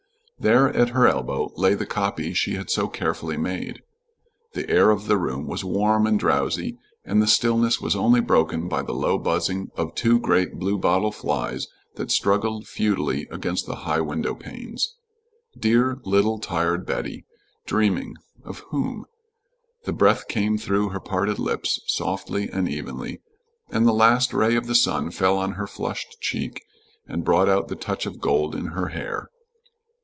There at her elbow lay the copy she had so carefully made. The air of the room was warm and drowsy, and the stillness was only broken by the low buzzing of two great bluebottle flies that struggled futilely against the high window panes. Dear little tired Betty! Dreaming, of whom? The breath came through her parted lips, softly and evenly, and the last ray of the sun fell on her flushed cheek and brought out the touch of gold in her hair.